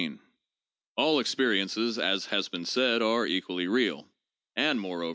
All experiences, as has been said, are equally real, and, moreover, 'Vol.